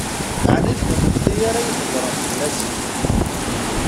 Ɛni d kennemti ara ydebbṛen fell-asen?